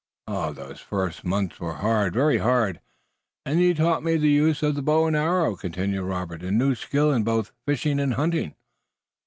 "Ah, those first months were hard, very hard!" "And you taught me the use of the bow and arrow," continued Robert, "and new skill in both fishing and hunting."